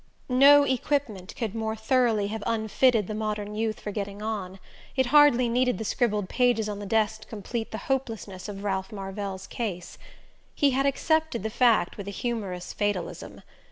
No equipment could more thoroughly have unfitted the modern youth for getting on: it hardly needed the scribbled pages on the desk to complete the hopelessness of Ralph Marvell's case. He had accepted the fact with a humorous fatalism.